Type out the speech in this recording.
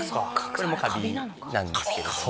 これもカビなんですけども。